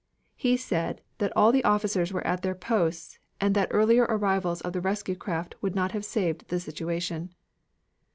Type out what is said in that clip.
He said that all the officers were at their posts and that earlier arrivals of the rescue craft would not have saved the situation.